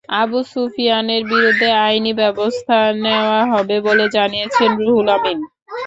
আবু সুফিয়ানের বিরুদ্ধে আইনি ব্যবস্থা নেওয়া হবে বলে জানিয়েছেন রুহুল আমিন।